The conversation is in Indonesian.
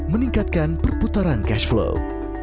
meningkatkan perputaran cash flow